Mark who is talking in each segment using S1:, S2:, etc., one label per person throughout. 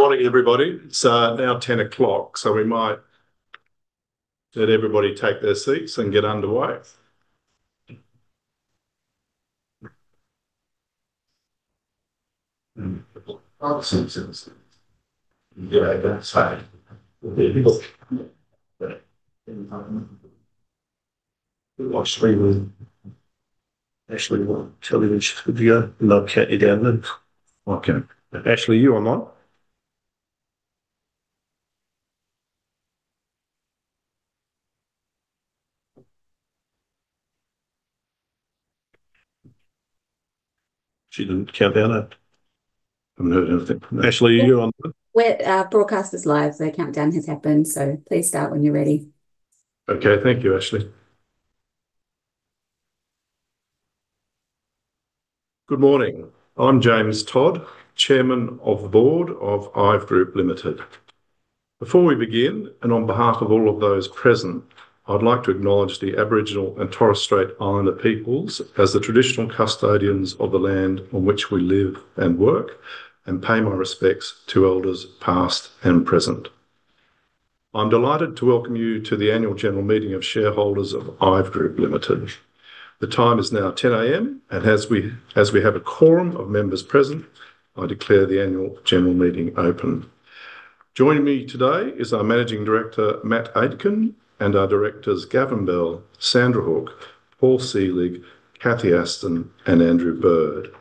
S1: Good morning, everybody. It's now 10:00, so we might let everybody take their seats and get underway. Ashley, are you on?
S2: We're broadcasting this live, so countdown has happened. Please start when you're ready.
S1: Okay. Thank you, Ashley. Good morning. I'm James Todd, Chairman of the Board of IVE Group Limited. Before we begin, and on behalf of all of those present, I'd like to acknowledge the Aboriginal and Torres Strait Islander peoples as the traditional custodians of the land on which we live and work, and pay my respects to elders past and present. I'm delighted to welcome you to the annual general meeting of shareholders of IVE Group Limited. The time is now 10:00 A.M., and as we have a quorum of members present, I declare the annual general meeting open. Joining me today is our Managing Director, Matt Aitken, and our Directors, Gavin Bell, Sandra Hook, Paul Selig, Cathy Aston, and Andrew Bird.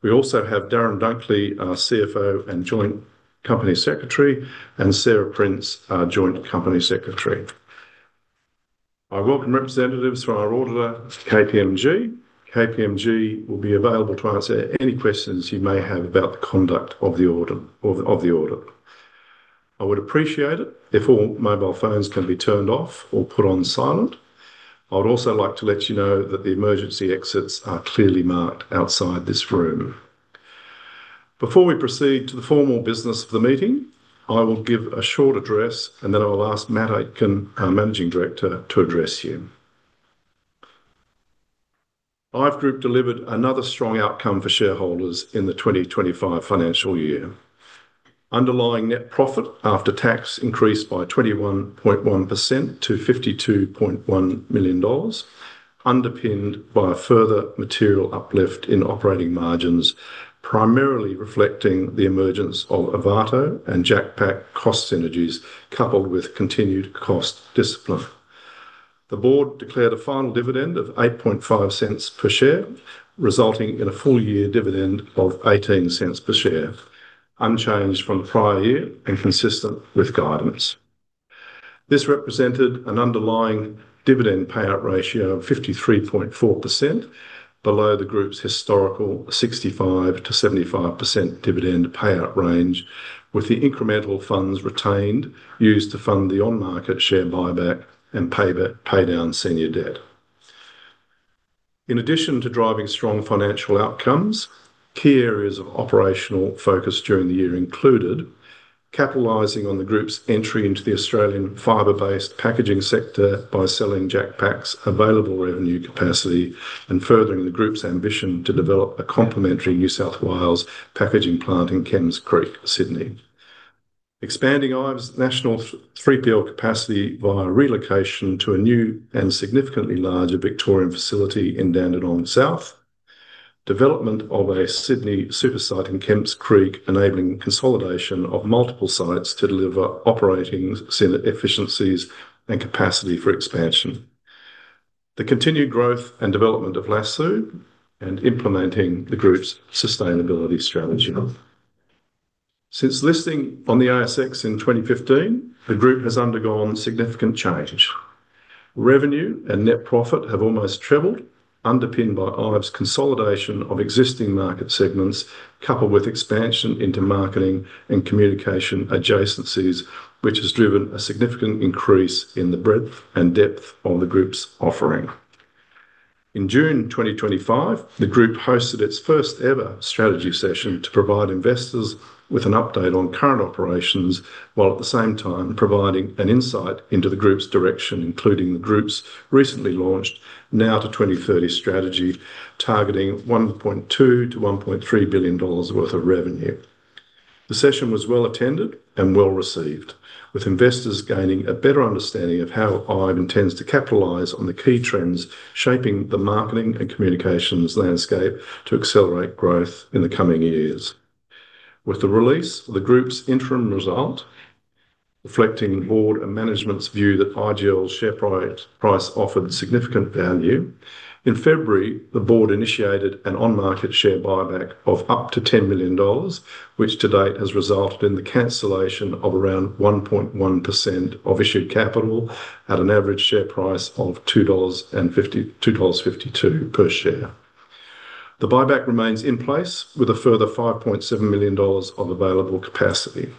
S1: We also have Darren Dunkley, our CFO and Joint Company Secretary, and Sarah Prince, our Joint Company Secretary. I welcome representatives from our auditor, KPMG. KPMG will be available to answer any questions you may have about the conduct of the audit. I would appreciate it if all mobile phones can be turned off or put on silent. I would also like to let you know that the emergency exits are clearly marked outside this room. Before we proceed to the formal business of the meeting, I will give a short address, and then I will ask Matt Aitken, our Managing Director, to address you. IVE Group delivered another strong outcome for shareholders in the 2025 financial year. Underlying net profit after tax increased by 21.1% to 52.1 million dollars, underpinned by a further material uplift in operating margins, primarily reflecting the emergence of Ovato and JacPak cost synergies coupled with continued cost discipline. The board declared a final dividend of 0.085 per share, resulting in a full-year dividend of 0.18 per share, unchanged from the prior year and consistent with guidance. This represented an underlying dividend payout ratio of 53.4%, below the group's historical 65%-75% dividend payout range, with the incremental funds retained used to fund the on-market share buyback and pay down senior debt. In addition to driving strong financial outcomes, key areas of operational focus during the year included capitalizing on the group's entry into the Australian fibre-based packaging sector by selling JacPak's available revenue capacity and furthering the group's ambition to develop a complementary New South Wales packaging plant in Kemps Creek, Sydney. Expanding IVE's national three-pillar capacity via relocation to a new and significantly larger Victorian facility in Dandenong South. Development of a Sydney super site in Kemps Creek, enabling consolidation of multiple sites to deliver operating efficiencies and capacity for expansion. The continued growth and development of Lasoo and implementing the group's sustainability strategy. Since listing on the ASX in 2015, the group has undergone significant change. Revenue and net profit have almost trebled, underpinned by IVE's consolidation of existing market segments coupled with expansion into marketing and communication adjacencies, which has driven a significant increase in the breadth and depth of the group's offering. In June 2025, the group hosted its first-ever strategy session to provide investors with an update on current operations while at the same time providing an insight into the group's direction, including the group's recently launched Now to 2030 strategy, targeting 1.2 billion-1.3 billion dollars worth of revenue. The session was well attended and well received, with investors gaining a better understanding of how IVE intends to capitalize on the key trends shaping the marketing and communications landscape to accelerate growth in the coming years. With the release of the group's interim result, reflecting the board and management's view that IVE's share price offered significant value, in February, the board initiated an on-market share buyback of up to 10 million dollars, which to date has resulted in the cancellation of around 1.1% of issued capital at an average share price of 2.52 dollars per share. The buyback remains in place with a further 5.7 million dollars of available capacity.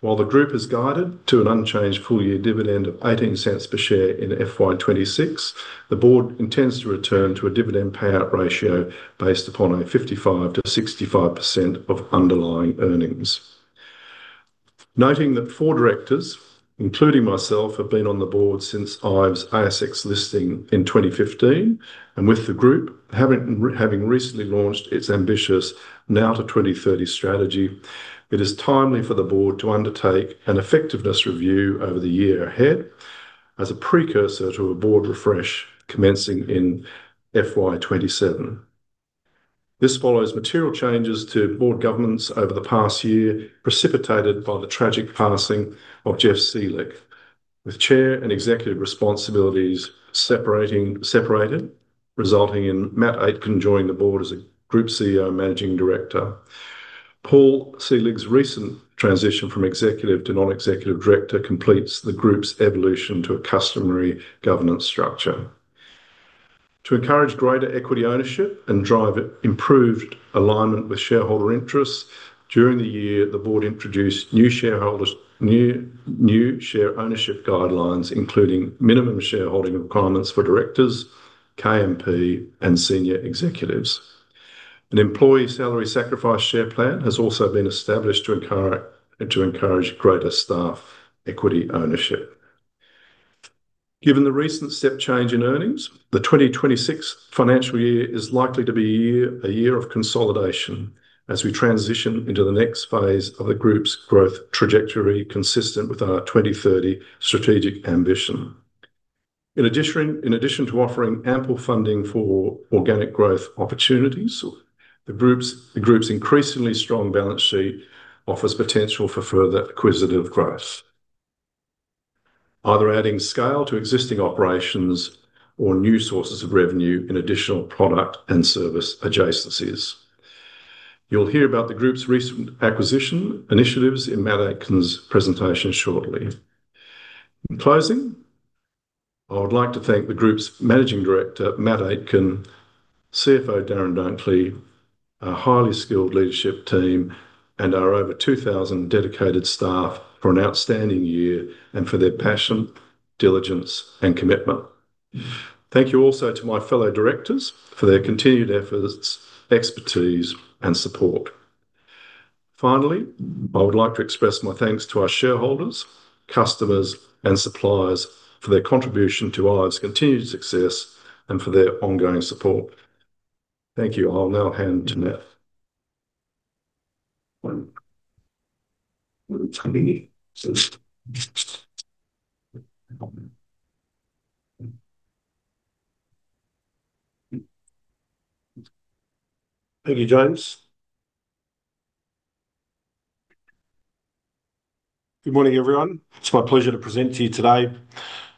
S1: While the group has guided to an unchanged full-year dividend of 0.18 per share in FY2026, the board intends to return to a dividend payout ratio based upon a 55%-65% of underlying earnings. Noting that four directors, including myself, have been on the board since IVE's ASX listing in 2015, and with the group having recently launched its ambitious Now to 2030 strategy, it is timely for the board to undertake an effectiveness review over the year ahead as a precursor to a board refresh commencing in FY27. This follows material changes to board governance over the past year, precipitated by the tragic passing of Geoff Selig, with chair and executive responsibilities separated, resulting in Matt Aitken joining the board as Group CEO and Managing Director. Paul Selig's recent transition from executive to non-executive director completes the group's evolution to a customary governance structure. To encourage greater equity ownership and drive improved alignment with shareholder interests, during the year, the board introduced new share ownership guidelines, including minimum shareholding requirements for directors, KMP, and senior executives. An employee salary sacrifice share plan has also been established to encourage greater staff equity ownership. Given the recent step change in earnings, the 2026 financial year is likely to be a year of consolidation as we transition into the next phase of the group's growth trajectory consistent with our 2030 strategic ambition. In addition to offering ample funding for organic growth opportunities, the group's increasingly strong balance sheet offers potential for further acquisitive growth, either adding scale to existing operations or new sources of revenue in additional product and service adjacencies. You'll hear about the group's recent acquisition initiatives in Matt Aitken's presentation shortly. In closing, I would like to thank the group's Managing Director, Matt Aitken, CFO Darren Dunkley, our highly skilled leadership team, and our over 2,000 dedicated staff for an outstanding year and for their passion, diligence, and commitment. Thank you also to my fellow directors for their continued efforts, expertise, and support. Finally, I would like to express my thanks to our shareholders, customers, and suppliers for their contribution to IVE's continued success and for their ongoing support. Thank you. I'll now hand to Matt.
S3: Thank you, James. Good morning, everyone. It's my pleasure to present to you today.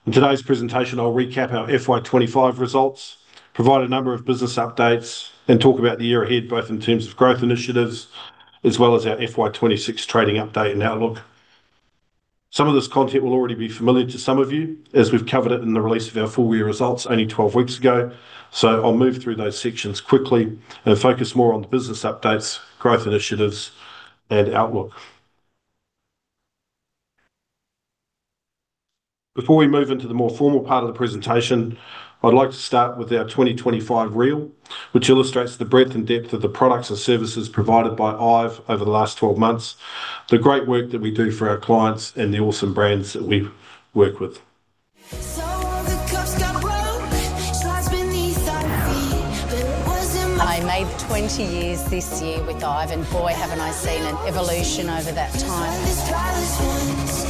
S3: In today's presentation, I'll recap our FY25 results, provide a number of business updates, and talk about the year ahead, both in terms of growth initiatives as well as our FY26 trading update and outlook. Some of this content will already be familiar to some of you, as we've covered it in the release of our full-year results only 12 weeks ago, so I'll move through those sections quickly and focus more on the business updates, growth initiatives, and outlook. Before we move into the more formal part of the presentation, I'd like to start with our 2025 reel, which illustrates the breadth and depth of the products and services provided by IVE over the last 12 months, the great work that we do for our clients, and the awesome brands that we work with.
S4: Some of the cups got broke, shards beneath our feet, but it wasn't me. I made 20 years this year with IVE, and boy, haven't I seen an evolution over that time.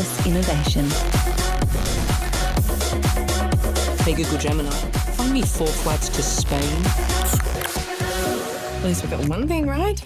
S4: 40 years of tireless innovation. Hey, Google Gemini. Find me four flights to Spain. We've got one thing right.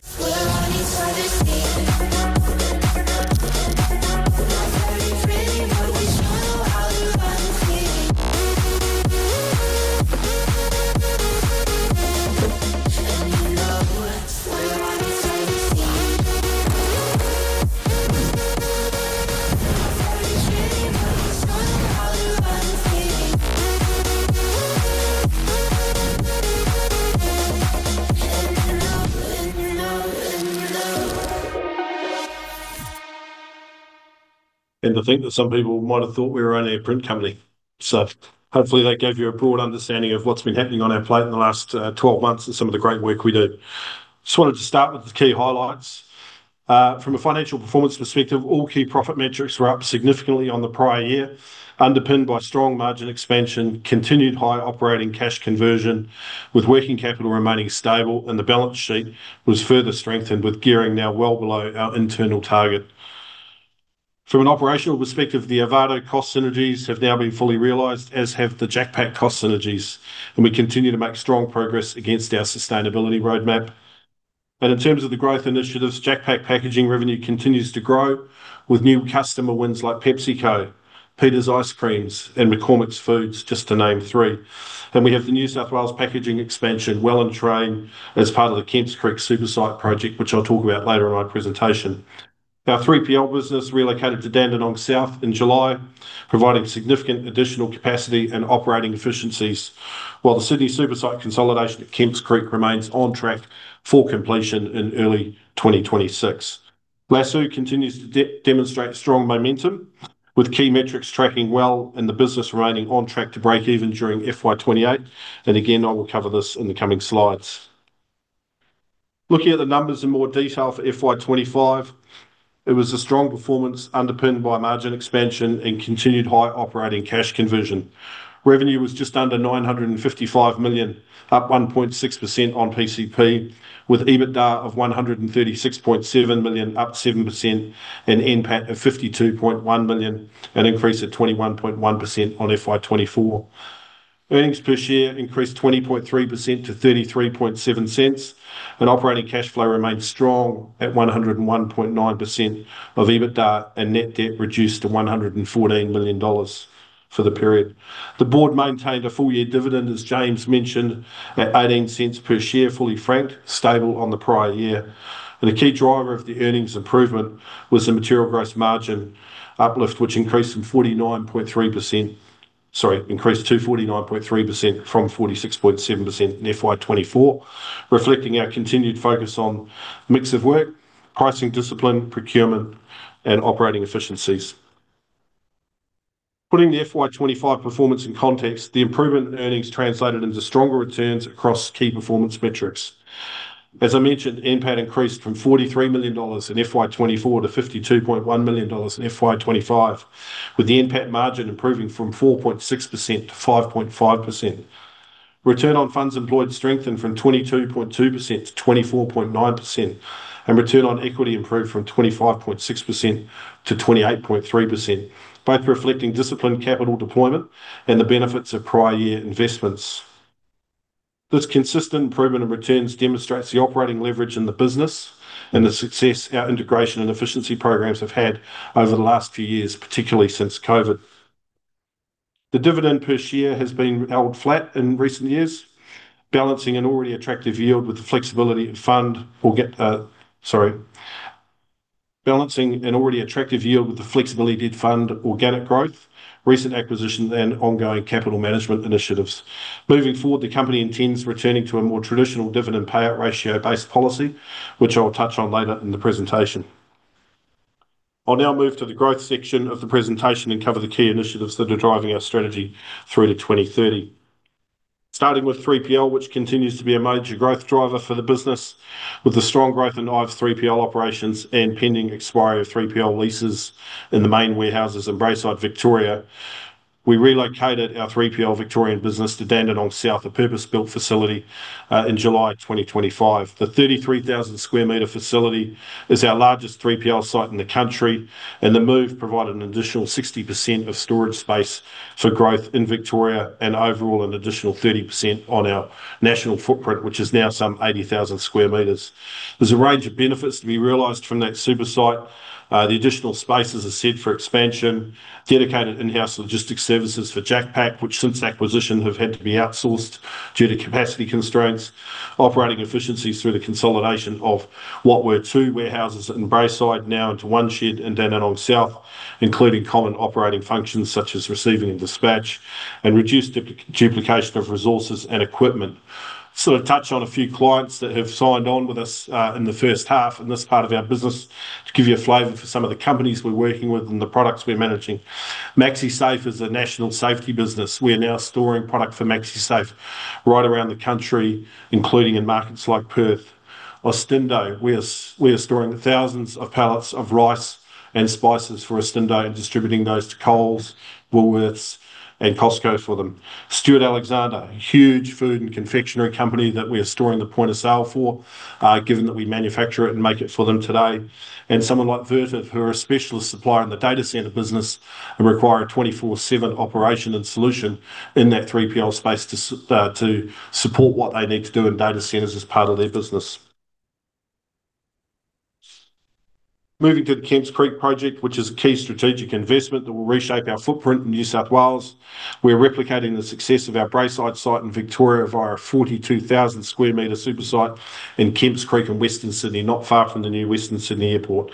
S3: To think that some people might have thought we were only a print company. Hopefully that gave you a broad understanding of what's been happening on our plate in the last 12 months and some of the great work we do. I just wanted to start with the key highlights. From a financial performance perspective, all key profit metrics were up significantly on the prior year, underpinned by strong margin expansion, continued high operating cash conversion, with working capital remaining stable, and the balance sheet was further strengthened, with gearing now well below our internal target. From an operational perspective, the Ovato cost synergies have now been fully realized, as have the JacPak cost synergies, and we continue to make strong progress against our sustainability roadmap. In terms of the growth initiatives, JacPak packaging revenue continues to grow, with new customer wins like PepsiCo, Peters Ice Creams, and McCormick's Foods, just to name three. We have the New South Wales packaging expansion, well and truly in train, as part of the Kemps Creek super site project, which I'll talk about later in my presentation. Our 3PL business relocated to Dandenong South in July, providing significant additional capacity and operating efficiencies, while the Sydney super site consolidation at Kemps Creek remains on track for completion in early 2026. Lasoo continues to demonstrate strong momentum, with key metrics tracking well and the business remaining on track to break even during FY28. I will cover this in the coming slides. Looking at the numbers in more detail for FY25, it was a strong performance, underpinned by margin expansion and continued high operating cash conversion. Revenue was just under 955 million, up 1.6% on pcp, with EBITDA of 136.7 million, up 7%, and NPAT of 52.1 million, an increase of 21.1% on FY2024. Earnings per share increased 20.3% to 0.337, and operating cash flow remained strong at 101.9% of EBITDA and net debt reduced to 114 million dollars for the period. The Board maintained a full-year dividend, as James mentioned, at 0.18 per share, fully franked, stable on the prior year. A key driver of the earnings improvement was the material gross margin uplift, which increased to 49.3% from 46.7% in FY2024, reflecting our continued focus on mix of work, pricing discipline, procurement, and operating efficiencies. Putting the FY2025 performance in context, the improvement in earnings translated into stronger returns across key performance metrics. As I mentioned, NPAT increased from 43 million dollars in FY2024 to 52.1 million dollars in FY2025, with the NPAT margin improving from 4.6% - 5.5%. Return on funds employed strengthened from 22.2% - 24.9%, and return on equity improved from 25.6% - 28.3%, both reflecting disciplined capital deployment and the benefits of prior year investments. This consistent improvement in returns demonstrates the operating leverage in the business and the success our integration and efficiency programs have had over the last few years, particularly since COVID. The dividend per share has been held flat in recent years, balancing an already attractive yield with the flexibility of fund, sorry, balancing an already attractive yield with the flexibility of fund organic growth, recent acquisitions, and ongoing capital management initiatives. Moving forward, the company intends returning to a more traditional dividend payout ratio-based policy, which I'll touch on later in the presentation. I'll now move to the growth section of the presentation and cover the key initiatives that are driving our strategy through to 2030, starting with 3PL, which continues to be a major growth driver for the business. With the strong growth in IVE 3PL operations and pending expiry of 3PL leases in the main warehouses in Braeside, Victoria, we relocated our 3PL Victorian business to Dandenong South, a purpose-built facility in July 2025. The 33,000 sq m facility is our largest 3PL site in the country, and the move provided an additional 60% of storage space for growth in Victoria and overall an additional 30% on our national footprint, which is now some 80,000 sq m. There's a range of benefits to be realized from that super site. The additional spaces are said for expansion, dedicated in-house logistics services for JacPak, which since acquisition have had to be outsourced due to capacity constraints, operating efficiencies through the consolidation of what were two warehouses in Braeside now into one shed in Dandenong South, including common operating functions such as receiving and dispatch, and reduced duplication of resources and equipment. I'll touch on a few clients that have signed on with us in the first half in this part of our business to give you a flavor for some of the companies we're working with and the products we're managing. Maxisafe is a national safety business. We are now storing product for Maxisafe right around the country, including in markets like Perth. Ostindo, we are storing thousands of pallets of rice and spices for Ostindo and distributing those to Coles, Woolworths, and Costco for them. Stuart Alexander, huge food and confectionery company that we are storing the point of sale for, given that we manufacture it and make it for them today. Someone like Vertiv, who are a specialist supplier in the data centre business and require a 24/7 operation and solution in that 3PL space to support what they need to do in data centers as part of their business. Moving to the Kemps Creek project, which is a key strategic investment that will reshape our footprint in New South Wales. We are replicating the success of our Braeside site in Victoria via a 42,000 sq m super site in Kemps Creek in Western Sydney, not far from the new Western Sydney Airport.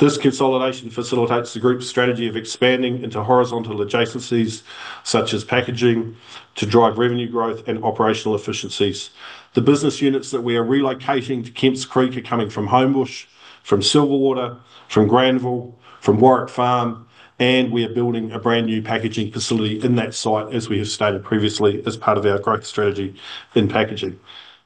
S3: This consolidation facilitates the group's strategy of expanding into horizontal adjacencies such as packaging to drive revenue growth and operational efficiencies. The business units that we are relocating to Kemps Creek are coming from Homebush, from Silverwater, from Granville, from Warwick Farm, and we are building a brand new packaging facility in that site, as we have stated previously, as part of our growth strategy in packaging.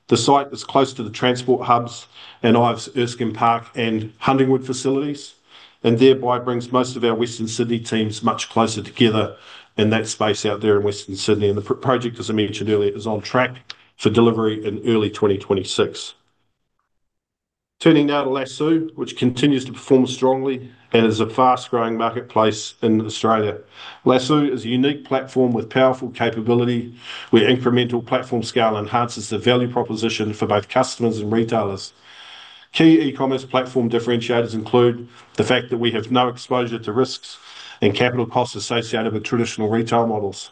S3: The site is close to the transport hubs and IVE's Erskine Park and Huntingwood facilities, and thereby brings most of our Western Sydney teams much closer together in that space out there in Western Sydney. The project, as I mentioned earlier, is on track for delivery in early 2026. Turning now to Lasoo, which continues to perform strongly and is a fast-growing marketplace in Australia. Lasoo is a unique platform with powerful capability, where incremental platform scale enhances the value proposition for both customers and retailers. Key e-commerce platform differentiators include the fact that we have no exposure to risks and capital costs associated with traditional retail models.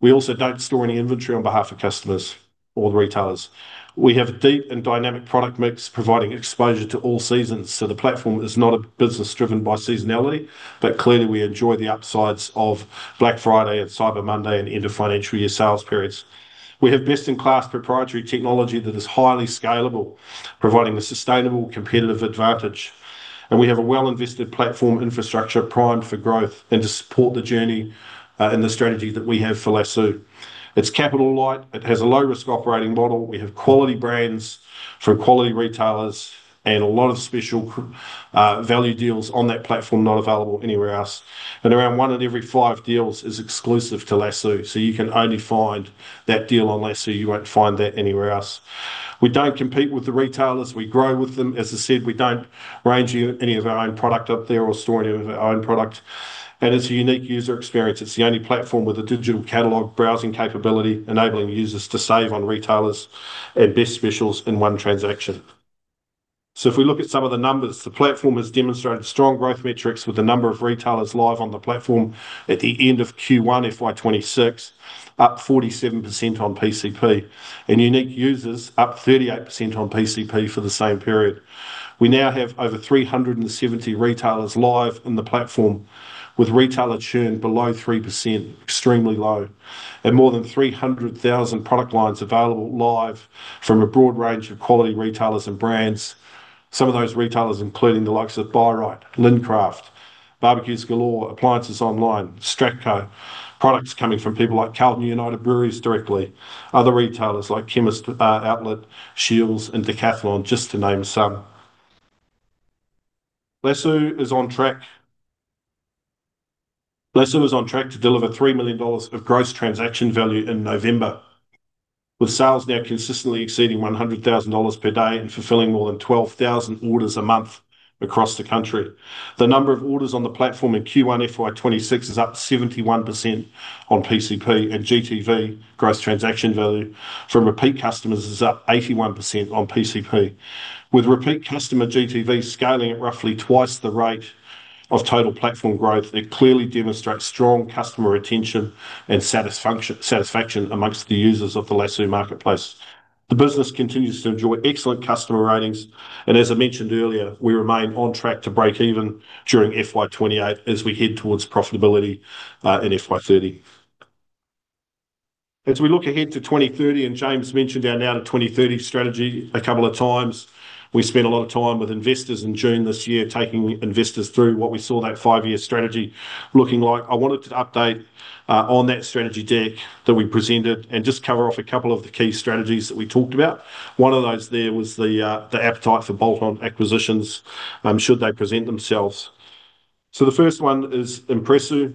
S3: We also do not store any inventory on behalf of customers or the retailers. We have a deep and dynamic product mix, providing exposure to all seasons. The platform is not a business driven by seasonality, but clearly we enjoy the upsides of Black Friday and Cyber Monday and end of financial year sales periods. We have best-in-class proprietary technology that is highly scalable, providing a sustainable competitive advantage. We have a well-invested platform infrastructure primed for growth and to support the journey and the strategy that we have for Lasoo. It is capital light. It has a low-risk operating model. We have quality brands from quality retailers and a lot of special value deals on that platform not available anywhere else. Around one in every five deals is exclusive to Lasoo, so you can only find that deal on Lasoo. You will not find that anywhere else. We do not compete with the retailers. We grow with them. As I said, we do not range any of our own product up there or store any of our own product. It is a unique user experience. It is the only platform with a digital catalogue browsing capability, enabling users to save on retailers and best specials in one transaction. If we look at some of the numbers, the platform has demonstrated strong growth metrics with the number of retailers live on the platform at the end of Q1 FY2026, up 47% on pcp, and unique users up 38% on pcp for the same period. We now have over 370 retailers live on the platform, with retailer churn below 3%, extremely low, and more than 300,000 product lines available live from a broad range of quality retailers and brands. Some of those retailers, including the likes of Bi-Rite, Lincraft, Barbeques Galore, Appliances Online, Stratco, products coming from people like Carlton & United Breweries directly, other retailers like Chemist Outlet, Shields, and Decathlon, just to name some. Lasoo is on track. Lasoo is on track to deliver 3 million dollars of gross transaction value in November, with sales now consistently exceeding 100,000 dollars per day and fulfilling more than 12,000 orders a month across the country. The number of orders on the platform in Q1 FY2026 is up 71% on pcp, and GTV, gross transaction value from repeat customers, is up 81% on pcp. With repeat customer GTV scaling at roughly twice the rate of total platform growth, it clearly demonstrates strong customer retention and satisfaction amongst the users of the Lasoo marketplace. The business continues to enjoy excellent customer ratings, and as I mentioned earlier, we remain on track to break even during FY2028 as we head towards profitability in FY2030. As we look ahead to 2030, and James mentioned our now to 2030 strategy a couple of times, we spent a lot of time with investors in June this year taking investors through what we saw that five-year strategy looking like. I wanted to update on that strategy deck that we presented and just cover off a couple of the key strategies that we talked about. One of those there was the appetite for bolt-on acquisitions, should they present themselves. The first one is Impressu,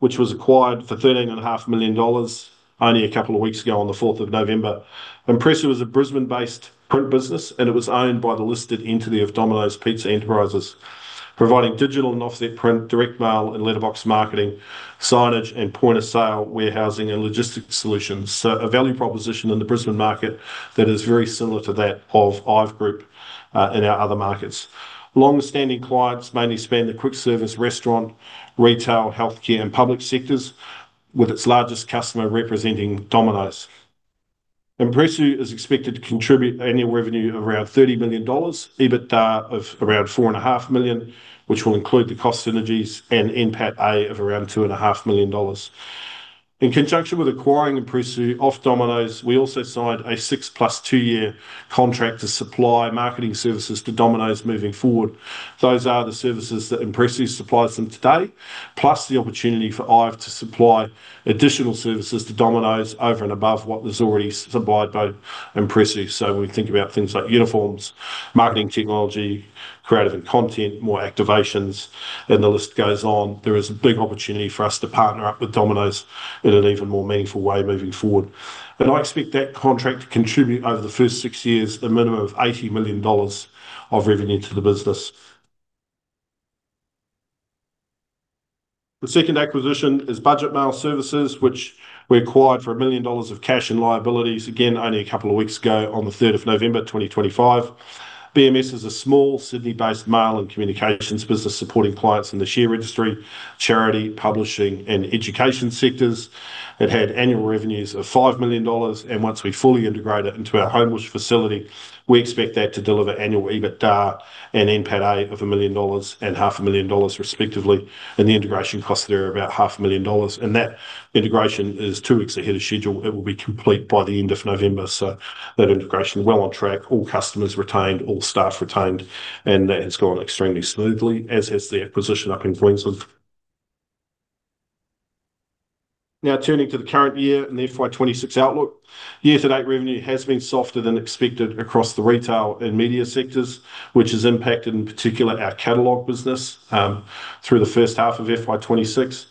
S3: which was acquired for 13.5 million dollars only a couple of weeks ago on the 4th of November. Impressu is a Brisbane-based print business, and it was owned by the listed entity of Domino's Pizza Enterprises, providing digital and offset print, direct mail and letterbox marketing, signage and point of sale, warehousing, and logistics solutions. A value proposition in the Brisbane market that is very similar to that of IVE Group in our other markets. Long-standing clients mainly span the quick service, restaurant, retail, healthcare, and public sectors, with its largest customer representing Domino's. Impressu is expected to contribute annual revenue of around 30 million dollars, EBITDA of around 4.5 million, which will include the cost synergies, and NPAT of around 2.5 million dollars. In conjunction with acquiring Impressu off Domino's, we also signed a six-plus two-year contract to supply marketing services to Domino's moving forward. Those are the services that Impressu supplies them today, plus the opportunity for IVE to supply additional services to Domino's over and above what was already supplied by Impressu. When we think about things like uniforms, marketing technology, creative and content, more activations, and the list goes on, there is a big opportunity for us to partner up with Domino's in an even more meaningful way moving forward. I expect that contract to contribute over the first six years a minimum of 80 million dollars of revenue to the business. The second acquisition is Budget Mail Services, which we acquired for 1 million dollars of cash and liabilities, again only a couple of weeks ago on the 3rd of November 2025. BMS is a small Sydney-based mail and communications business supporting clients in the share registry, charity, publishing, and education sectors. It had annual revenues of 5 million dollars, and once we fully integrate it into our Homebush facility, we expect that to deliver annual EBITDA and NPAT of 1 million dollars and 500,000 dollars respectively. The integration costs there are about 500,000 dollars. That integration is two weeks ahead of schedule. It will be complete by the end of November. That integration is well on track. All customers retained, all staff retained, and that has gone extremely smoothly, as has the acquisition up in Queensland. Now turning to the current year and the FY 2026 outlook, year-to-date revenue has been softer than expected across the retail and media sectors, which has impacted in particular our catalogue business through the first half of FY 2026.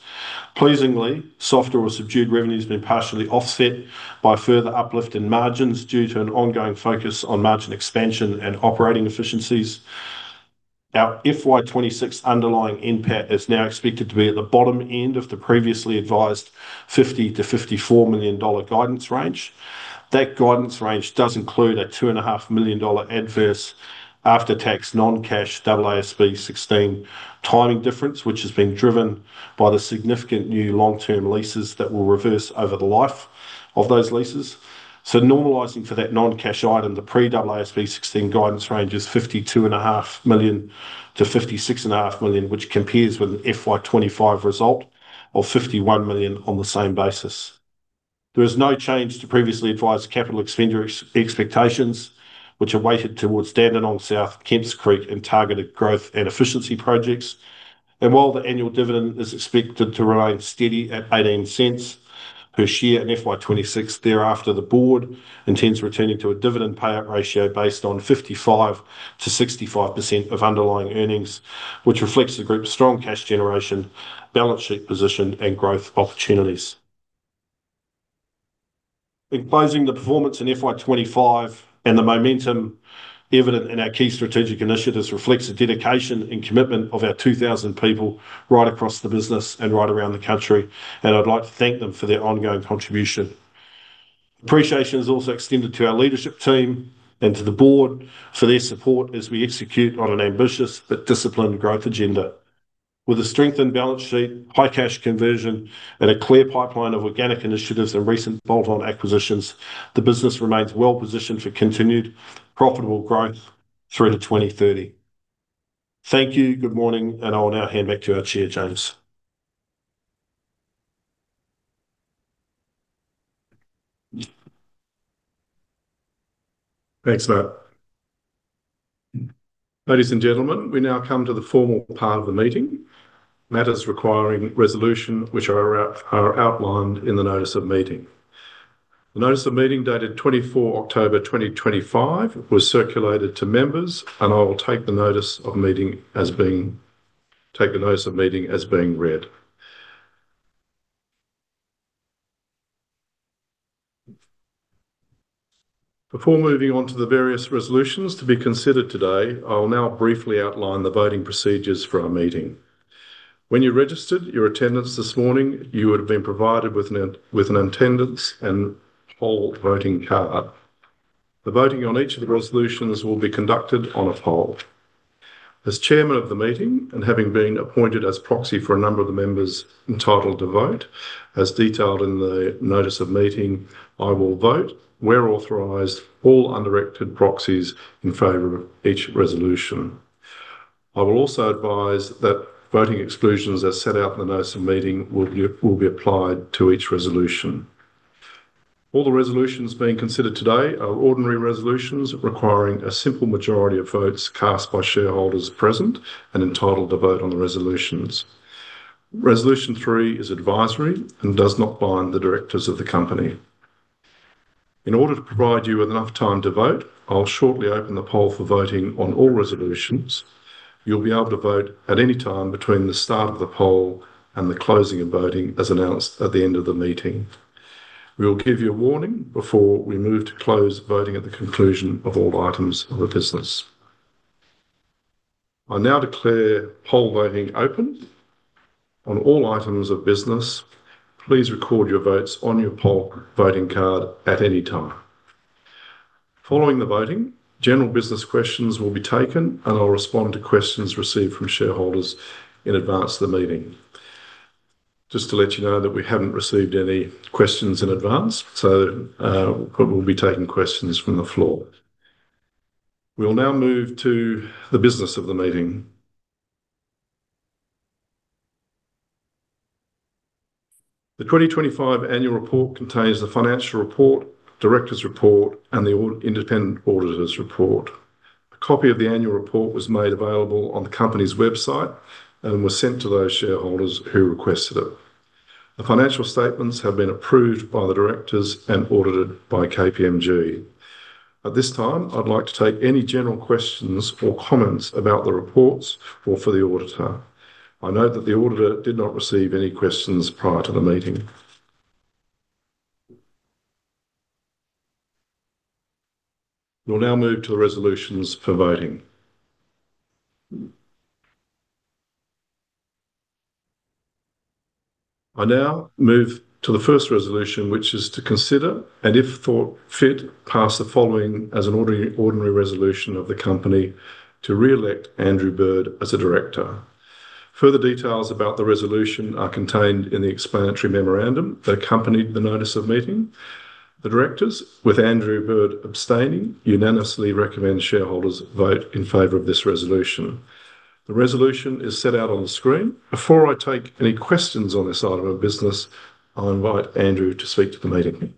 S3: Pleasingly, softer or subdued revenues have been partially offset by further uplift in margins due to an ongoing focus on margin expansion and operating efficiencies. Our FY26 underlying NPAT is now expected to be at the bottom end of the previously advised 50 million-54 million dollar guidance range. That guidance range does include an 2.5 million dollar adverse after-tax non-cash AASB 16 timing difference, which has been driven by the significant new long-term leases that will reverse over the life of those leases. Normalizing for that non-cash item, the pre-AASB 16 guidance range is 52.5 million-56.5 million, which compares with an FY25 result of 51 million on the same basis. There is no change to previously advised capital expenditure expectations, which are weighted towards Dandenong South, Kemps Creek, and targeted growth and efficiency projects. While the annual dividend is expected to remain steady at 0.18 per share in FY2026, thereafter the board intends returning to a dividend payout ratio based on 55%-65% of underlying earnings, which reflects the group's strong cash generation, balance sheet position, and growth opportunities. In closing, the performance in FY2025 and the momentum evident in our key strategic initiatives reflects the dedication and commitment of our 2,000 people right across the business and right around the country. I'd like to thank them for their ongoing contribution. Appreciation is also extended to our leadership team and to the board for their support as we execute on an ambitious but disciplined growth agenda. With a strengthened balance sheet, high cash conversion, and a clear pipeline of organic initiatives and recent Bolt-on acquisitions, the business remains well positioned for continued profitable growth through to 2030. Thank you. Good morning. I'll now hand back to our Chair, James.
S1: Thanks, Matt. Ladies and gentlemen, we now come to the formal part of the meeting, matters requiring resolution, which are outlined in the notice of meeting. The notice of meeting dated 24 October 2025 was circulated to members, and I will take the notice of meeting as being read. Before moving on to the various resolutions to be considered today, I'll now briefly outline the voting procedures for our meeting. When you registered your attendance this morning, you would have been provided with an attendance and poll voting card. The voting on each of the resolutions will be conducted on a poll. As Chairman of the meeting and having been appointed as proxy for a number of the members entitled to vote, as detailed in the notice of meeting, I will vote where authorized all undirected proxies in favor of each resolution. I will also advise that voting exclusions as set out in the notice of meeting will be applied to each resolution. All the resolutions being considered today are ordinary resolutions requiring a simple majority of votes cast by shareholders present and entitled to vote on the resolutions. Resolution three is advisory and does not bind the directors of the company. In order to provide you with enough time to vote, I'll shortly open the poll for voting on all resolutions. You'll be able to vote at any time between the start of the poll and the closing of voting as announced at the end of the meeting. We will give you a warning before we move to close voting at the conclusion of all items of the business. I now declare poll voting open on all items of business. Please record your votes on your poll voting card at any time. Following the voting, general business questions will be taken, and I'll respond to questions received from shareholders in advance of the meeting. Just to let you know that we haven't received any questions in advance, but we'll be taking questions from the floor. We'll now move to the business of the meeting. The 2025 annual report contains the financial report, director's report, and the independent auditor's report. A copy of the annual report was made available on the company's website and was sent to those shareholders who requested it. The financial statements have been approved by the directors and audited by KPMG. At this time, I'd like to take any general questions or comments about the reports or for the auditor. I note that the auditor did not receive any questions prior to the meeting. We'll now move to the resolutions for voting. I now move to the first resolution, which is to consider, and if thought fit, pass the following as an ordinary resolution of the company to re-elect Andrew Bird as a director. Further details about the resolution are contained in the explanatory memorandum that accompanied the notice of meeting. The directors, with Andrew Bird abstaining, unanimously recommend shareholders vote in favor of this resolution. The resolution is set out on the screen. Before I take any questions on this item of business, I'll invite Andrew to speak to the meeting.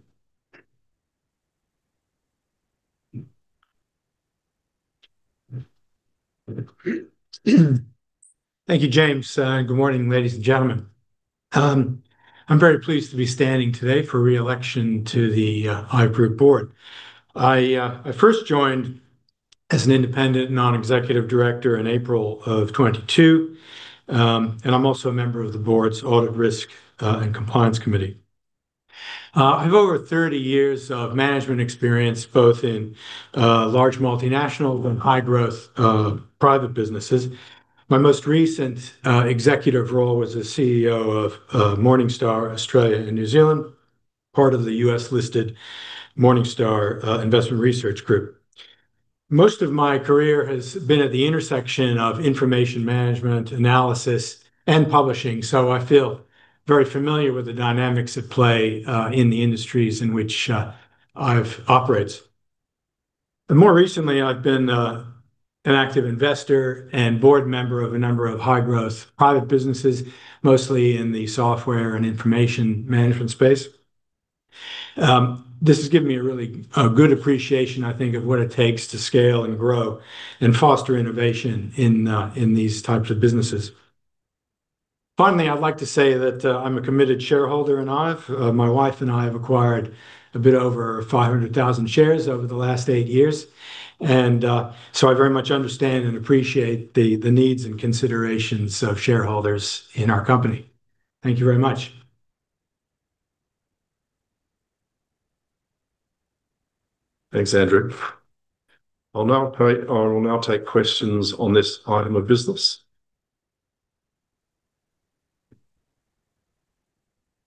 S5: Thank you, James. Good morning, ladies and gentlemen. I'm very pleased to be standing today for re-election to the IVE Group Board. I first joined as an independent non-executive director in April of 2022, and I'm also a member of the board's audit risk and compliance committee. I have over 30 years of management experience both in large multinationals and high-growth private businesses. My most recent executive role was as CEO of Morningstar Australia and New Zealand, part of the US-listed Morningstar Investment Research Group. Most of my career has been at the intersection of information management, analysis, and publishing, so I feel very familiar with the dynamics at play in the industries in which IVE operates. More recently, I've been an active investor and board member of a number of high-growth private businesses, mostly in the software and information management space. This has given me a really good appreciation, I think, of what it takes to scale and grow and foster innovation in these types of businesses. Finally, I'd like to say that I'm a committed shareholder in IVE. My wife and I have acquired a bit over 500,000 shares over the last eight years, and so I very much understand and appreciate the needs and considerations of shareholders in our company. Thank you very much.
S1: Thanks, Andrew. I'll now take questions on this item of business.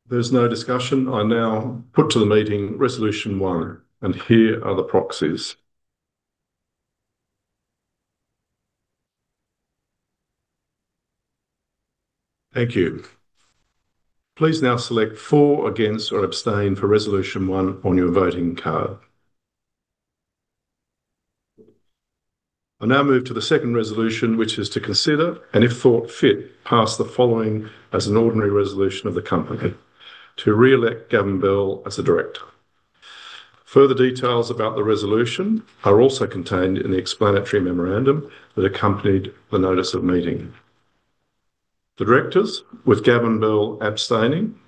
S1: There's no discussion. I now put to the meeting resolution one, and here are the proxies. Thank you. Please now select for, against, or abstain for resolution one on your voting card. I now move to the second resolution, which is to consider, and if thought fit, pass the following as an ordinary resolution of the company to re-elect Gavin Bell as a director. Further details about the resolution are also contained in the explanatory memorandum that accompanied the notice of meeting. The directors, with Gavin Bell abstaining,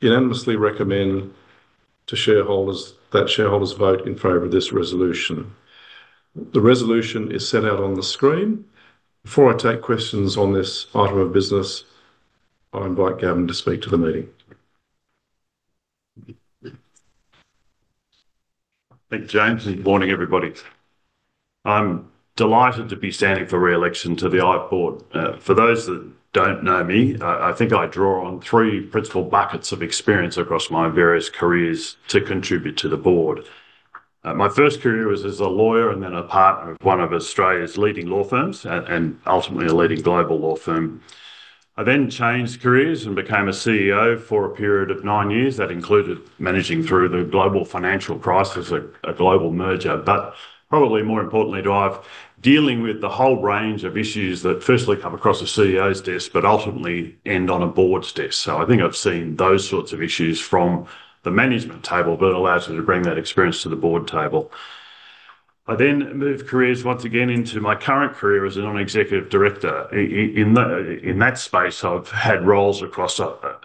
S1: unanimously recommend to shareholders that shareholders vote in favor of this resolution. The resolution is set out on the screen. Before I take questions on this item of business, I invite Gavin to speak to the meeting.
S6: Thank you, James, and good morning, everybody. I'm delighted to be standing for re-election to the IVE Board. For those that don't know me, I think I draw on three principal buckets of experience across my various careers to contribute to the board. My first career was as a lawyer and then a partner of one of Australia's leading law firms and ultimately a leading global law firm. I then changed careers and became a CEO for a period of nine years. That included managing through the global financial crisis, a global merger, but probably more importantly, dealing with the whole range of issues that firstly come across a CEO's desk, but ultimately end on a board's desk. I think I've seen those sorts of issues from the management table, but it allows me to bring that experience to the board table. I then moved careers once again into my current career as a non-executive director. In that space, I've had roles across a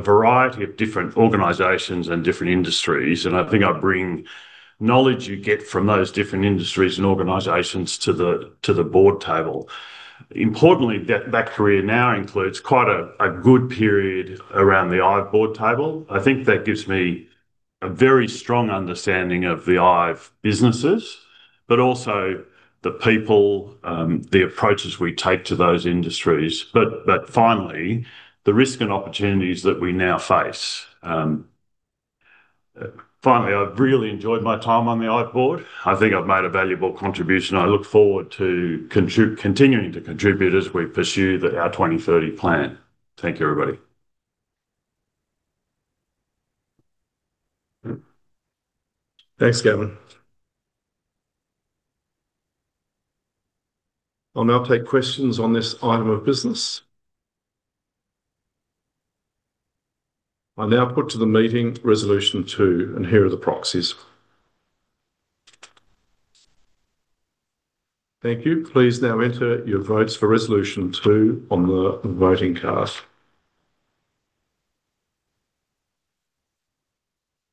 S6: variety of different organizations and different industries, and I think I bring knowledge you get from those different industries and organizations to the board table. Importantly, that career now includes quite a good period around the IVE Board table. I think that gives me a very strong understanding of the IVE businesses, but also the people, the approaches we take to those industries, but finally, the risk and opportunities that we now face. Finally, I've really enjoyed my time on the IVE Board. I think I've made a valuable contribution. I look forward to continuing to contribute as we pursue our 2030 plan. Thank you, everybody.
S1: Thanks, Gavin. I'll now take questions on this item of business. I now put to the meeting resolution two, and here are the proxies. Thank you. Please now enter your votes for resolution two on the voting card.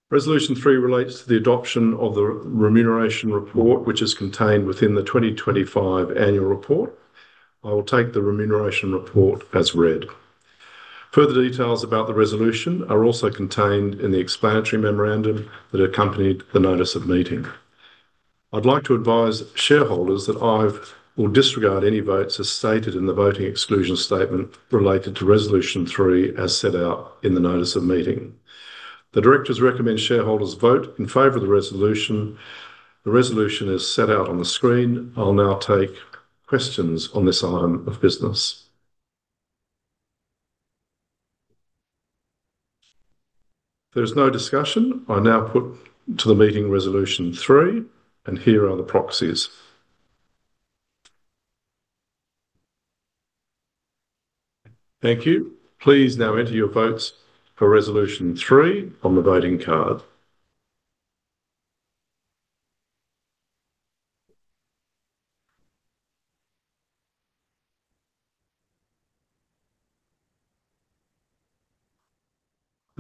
S1: Resolution three relates to the adoption of the remuneration report, which is contained within the 2025 annual report. I will take the remuneration report as read. Further details about the resolution are also contained in the explanatory memorandum that accompanied the notice of meeting. I'd like to advise shareholders that IVE will disregard any votes as stated in the voting exclusion statement related to resolution three as set out in the notice of meeting. The directors recommend shareholders vote in favor of the resolution. The resolution is set out on the screen. I'll now take questions on this item of business. There's no discussion. I now put to the meeting resolution three, and here are the proxies. Thank you. Please now enter your votes for resolution three on the voting card.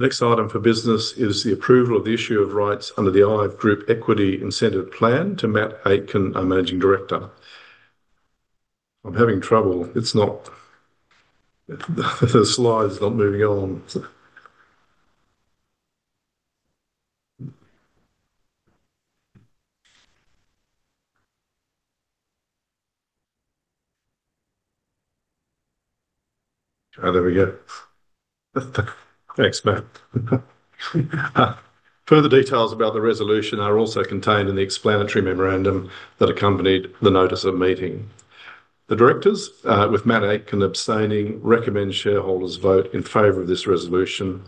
S1: The next item for business is the approval of the issue of rights under the IVE Group Equity Incentive Plan to Matt Aitken, our Managing Director. I'm having trouble. The slide is not moving on. There we go. Thanks, Matt. Further details about the resolution are also contained in the explanatory memorandum that accompanied the notice of meeting. The directors, with Matt Aitken abstaining, recommend shareholders vote in favor of this resolution.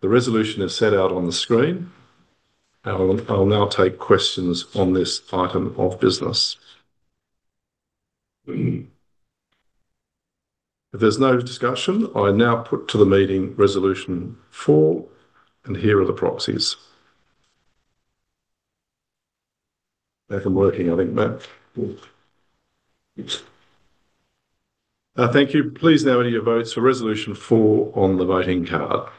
S1: The resolution is set out on the screen. I'll now take questions on this item of business. If there's no discussion, I now put to the meeting resolution four, and here are the proxies. They're working, I think, Matt. Thank you. Please now enter your votes for resolution four on the voting card.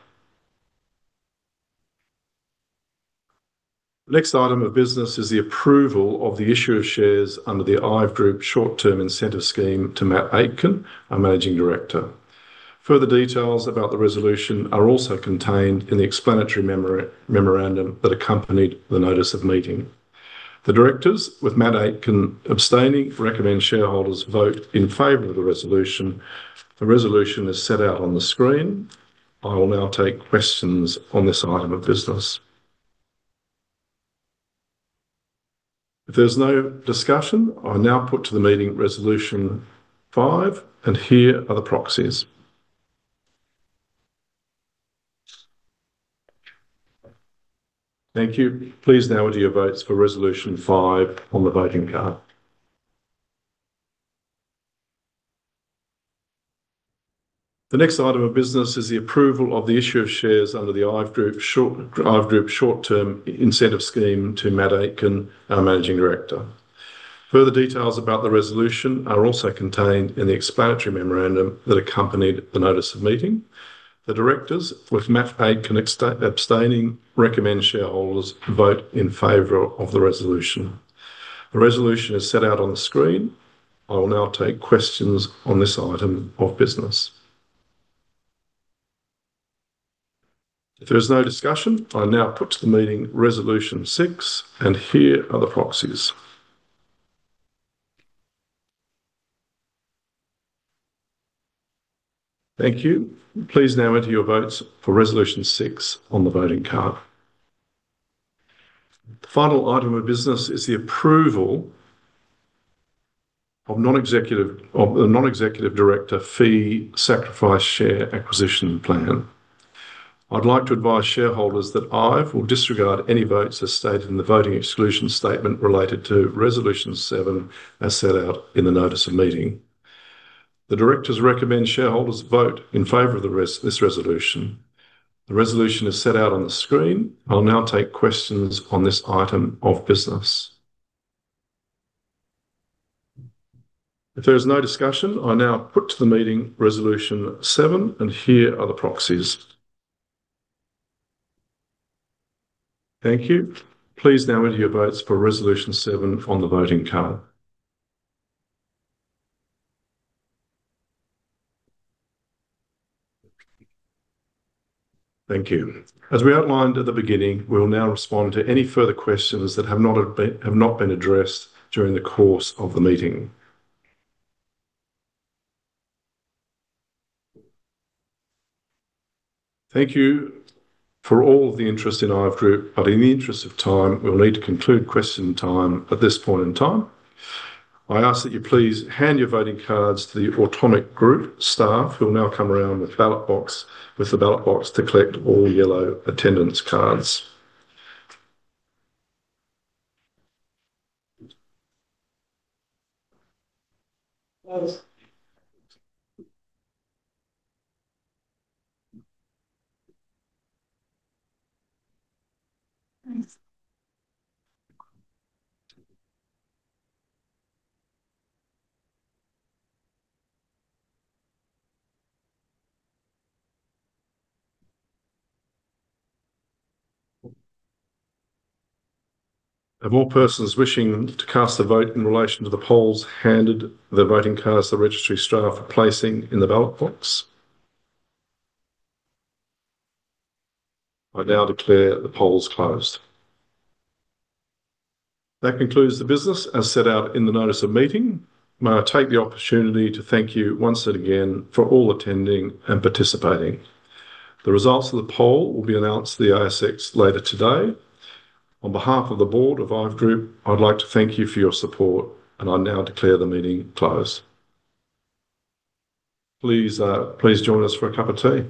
S1: The next item of business is the approval of the issue of shares under the IVE Group Short-Term Incentive Scheme to Matt Aitken, our Managing Director. Further details about the resolution are also contained in the explanatory memorandum that accompanied the notice of meeting. The directors, with Matt Aitken abstaining, recommend shareholders vote in favor of the resolution. The resolution is set out on the screen. I will now take questions on this item of business. If there's no discussion, I now put to the meeting resolution five, and here are the proxies. Thank you. Please now enter your votes for resolution five on the voting card. The next item of business is the approval of the issue of shares under the IVE Group Short-Term Incentive Scheme to Matt Aitken, our Managing Director. Further details about the resolution are also contained in the explanatory memorandum that accompanied the notice of meeting. The directors, with Matt Aitken abstaining, recommend shareholders vote in favor of the resolution. The resolution is set out on the screen. I will now take questions on this item of business. If there's no discussion, I now put to the meeting resolution six, and here are the proxies. Thank you. Please now enter your votes for resolution six on the voting card. The final item of business is the approval of the non-executive director fee sacrifice share acquisition plan. I'd like to advise shareholders that IVE will disregard any votes as stated in the voting exclusion statement related to resolution seven as set out in the notice of meeting. The directors recommend shareholders vote in favor of this resolution. The resolution is set out on the screen. I'll now take questions on this item of business. If there's no discussion, I now put to the meeting resolution seven, and here are the proxies. Thank you. Please now enter your votes for resolution seven on the voting card. Thank you. As we outlined at the beginning, we will now respond to any further questions that have not been addressed during the course of the meeting. Thank you for all of the interest in IVE Group, but in the interest of time, we'll need to conclude question time at this point in time. I ask that you please hand your voting cards to the Automic Group staff, who will now come around with the ballot box to collect all yellow attendance cards. If all persons wishing to cast a vote in relation to the polls handed the voting cards to the registry staff for placing in the ballot box, I now declare the polls closed. That concludes the business as set out in the notice of meeting. May I take the opportunity to thank you once again for all attending and participating. The results of the poll will be announced to the ASX later today. On behalf of the board of IVE Group, I'd like to thank you for your support, and I now declare the meeting closed. Please join us for a cup of tea.